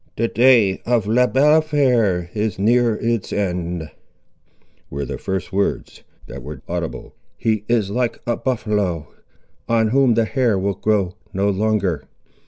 "The day of Le Balafré is near its end," were the first words that were distinctly audible. "He is like a buffaloe, on whom the hair will grow no longer.